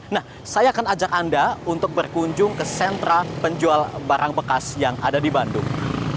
nah saya akan ajak anda untuk berkunjung ke sentra penjual barang bekas yang ada di bandung